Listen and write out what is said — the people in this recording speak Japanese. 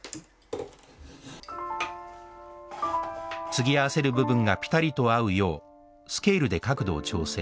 継ぎ合わせる部分がピタリと合うようスケールで角度を調整。